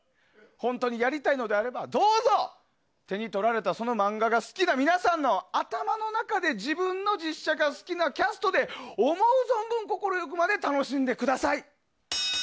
本当にやりたいのであればどうぞ手に取られたその漫画が好きな皆さんの頭の中で自分の実写化好きなキャストで思う存分心ゆくまで楽しんでください。